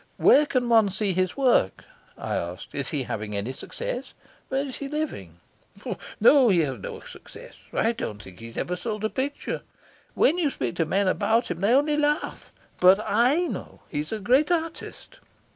"Where can one see his work?" I asked. "Is he having any success? Where is he living?" "No; he has no success. I don't think he's ever sold a picture. When you speak to men about him they only laugh. But I he's a great artist.